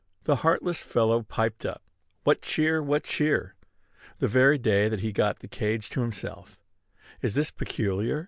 The heartless fellow piped up, "What cheer! what cheer!" the very day that he got his cage to himself. Is this peculiar?